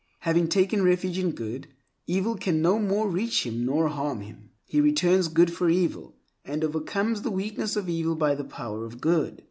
Having taken refuge in good, evil can no more reach nor harm him. He returns good for evil, and overcomes the weakness of evil by the power of good.